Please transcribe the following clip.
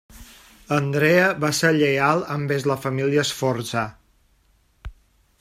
Andrea va ser lleial envers la família Sforza.